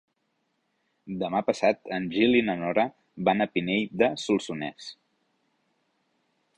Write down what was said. Demà passat en Gil i na Nora van a Pinell de Solsonès.